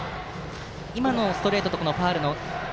今のストレートとファウルは。